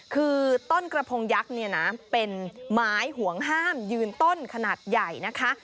คือต้นกระพงยักษ์เนี่ยนะเป็นไม้ห่วงห้ามยืนต้นขนาดใหญ่นะคะ